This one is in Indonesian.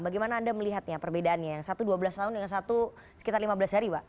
bagaimana anda melihatnya perbedaannya yang satu dua belas tahun dengan satu sekitar lima belas hari pak